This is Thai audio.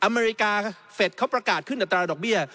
อเมริกาเฟสเขาประกาศขึ้นอัตราดอกเบี้ย